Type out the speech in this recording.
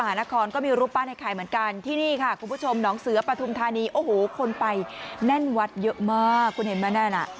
มันก็ได้เลขหางประทัดไม่เหมือนกันหรอกอะไรแบบนี้อ่ะ